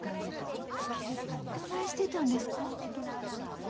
どないしてたんですか？